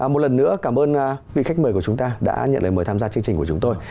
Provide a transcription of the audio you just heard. một lần nữa cảm ơn vị khách mời của chúng ta đã nhận lời mời tham gia chương trình của chúng tôi